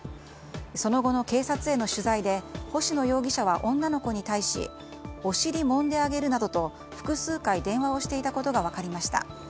その後の警察への取材で星野容疑者は女の子に対しお尻もんであげるなどと複数回電話をしていたことが分かりました。